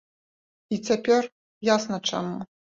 І цяпер ясна чаму.